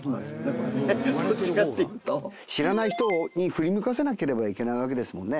これねどっちかっていうと知らない人に振り向かせなければいけないわけですもんね